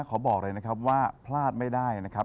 บอกเลยนะครับว่าพลาดไม่ได้นะครับ